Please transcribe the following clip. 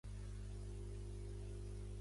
Per Sant Jordi na Gina anirà a Aín.